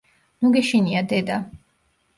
ნუ გეშინია, დედა!